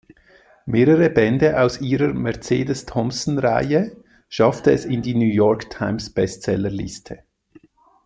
Mehrere Bände aus ihrer Mercedes-Thompson-Reihe schafften es in die New York Times Bestseller-Liste.